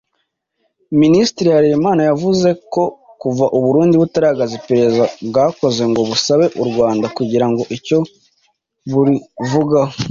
Minisitiri Harerimana yavuze ko kuva u Burundi butaragaragaza iperereza bwakoze ngo busabe u Rwanda kugira icyo burivugaho